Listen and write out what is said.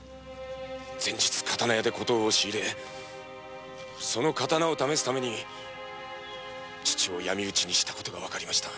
前日刀屋で古刀を仕入れその刀を試すために父をヤミ討ちにした事が分かりました。